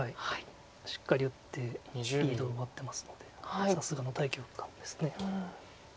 しっかり打ってリードを奪ってますのでさすがの大局観です。